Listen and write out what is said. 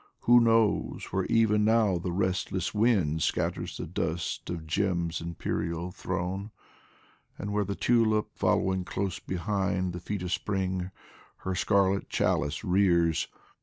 Who knows where even now the restless wind Scatters the dust of Djem's imperial throne ? And where the tulip, following close behind The feet of Spring, her scarlet chalice rears.